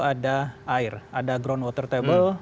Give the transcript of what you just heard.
ada air ada ground water table